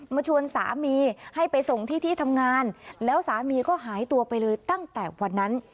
มาชวนสามีให้ไปส่งที่ที่ทำงานแล้วสามีก็หายตัวไปเลยตั้งแต่วันนั้น